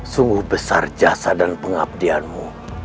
sungguh besar jasa dan pengabdianmu